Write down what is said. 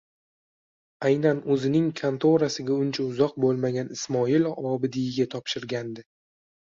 aynan o'zining kantorasiga uncha uzoq bo'lmagan Ismoil Obidiyga topshirgandi.